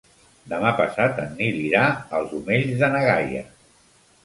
Demà passat en Nil irà als Omells de na Gaia.